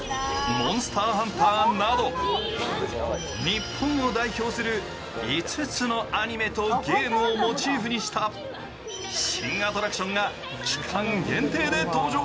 日本を代表する５つのアニメとゲームをモチーフにした新アトラクションが期間限定で登場。